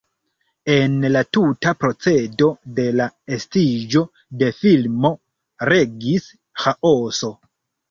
En la tuta procedo de la estiĝo de filmo regis ĥaoso.